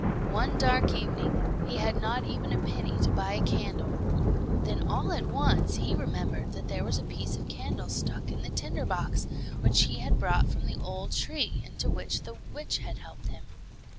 One dark evening, he had not even a penny to buy a candle; then all at once he remembered that there was a piece of candle stuck in the tinder box, which he had brought from the old tree, into which the witch had helped him.